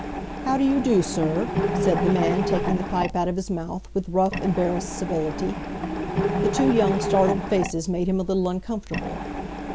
"How do you do, sir?" said the man, taking the pipe out of his mouth, with rough, embarrassed civility. The two young startled faces made him a little uncomfortable.